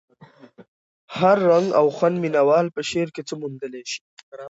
هر رنګ او خوند مینه وال په شعر کې څه موندلی شي.